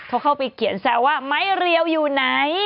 เขาเข้าไปเขียนแซวว่าไม้เรียวอยู่ไหน